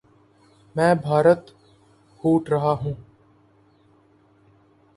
میں بھارت ہوٹ رہا ہوں